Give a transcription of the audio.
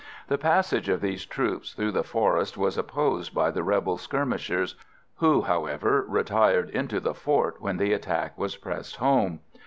The passage of these troops through the forest was opposed by the rebel skirmishers, who, however, retired into the fort when the attack was pressed home.